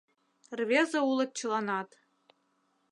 Рвезе улыт чыланат